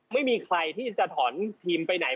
ไม่มีใครที่จะถอนทีมไปไหน